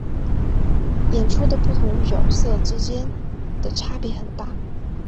演出的不同角色之间的差别很大。